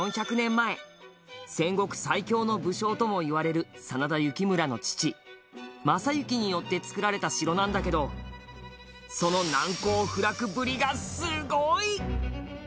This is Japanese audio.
前戦国最強の武将ともいわれる真田幸村の父、昌幸によってつくられた城なんだけどその難攻不落ぶりが、すごい！